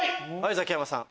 ザキヤマさん。